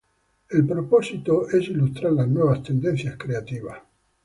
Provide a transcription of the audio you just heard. El propósito es ilustrar las nuevas tendencias creativas.